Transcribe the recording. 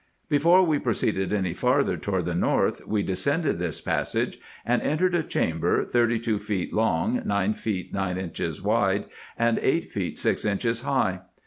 Before we proceeded any farther toward the north, we descended this passage, and entered a chamber thirty two feet long, nine feet nine inches wide, and eight feet six inches high.